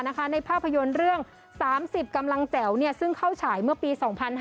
ในภาพยนตร์เรื่อง๓๐กำลังแจ๋วซึ่งเข้าฉายเมื่อปี๒๕๕๙